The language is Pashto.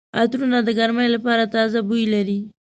عطرونه د ګرمۍ لپاره تازه بوی لري.